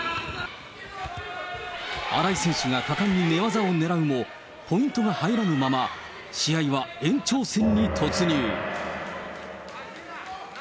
新井選手が果敢に寝技をねらうも、ポイントが入らぬまま、試合は延長戦に突入。